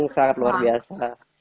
sangat luar biasa